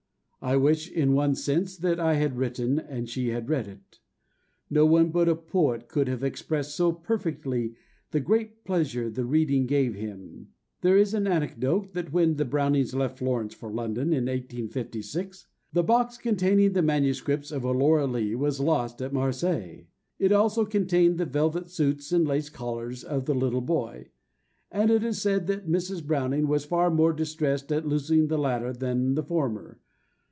I wish, in one sense, that I had written and she had read it." No one but a poet could have expressed so perfectly the great pleasure the reading gave him. There is an anecdote that when the Brownings left Florence for London, in 1856, the box containing the MS. of Aurora Leigh was lost at Marseilles. It also contained the velvet suits and lace collars of the little boy; and it is said that Mrs. Browning was far more distressed at losing the latter than the former.